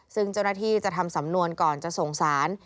ซึ่งเจ้าหน้าที่จะทำสำนวนก่อนจะส่งสาร